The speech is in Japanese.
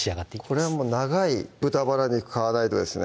これはもう長い豚バラ肉買わないとですね